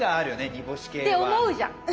煮干し系は。って思うじゃん。